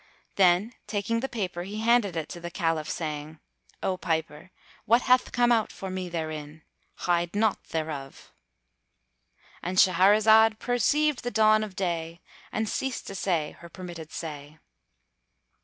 Then taking the paper he handed it to the Caliph, saying, "O piper, what hath come out for me therein? Hide naught thereof."—And Shahrazad perceived the dawn of day and ceased to say her permitted say.